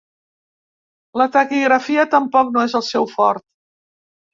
La taquigrafia tampoc no és el seu fort.